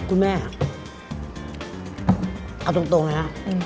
คุณแม่เอาตรงเลยนะ